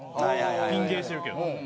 ピン芸してるけど。